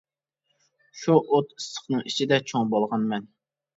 شۇ ئوت ئىسسىقنىڭ ئىچىدە چوڭ بولغانمەن.